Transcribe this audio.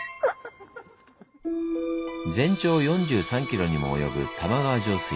全長４３ｋｍにも及ぶ玉川上水。